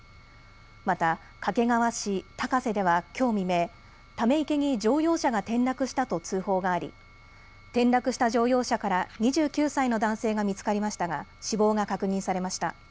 また掛川市高瀬ではきょう未明、ため池に乗用車が転落したと通報があり転落した乗用車から２９歳の男性が見つかりましたが死亡が確認されました。